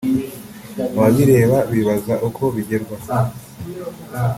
ababireba bibaza uko bigerwaho